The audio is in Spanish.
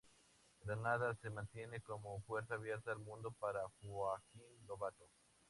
Granada se mantiene como puerta abierta al mundo para Joaquín Lobato.